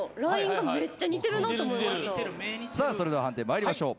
それでは判定参りましょう。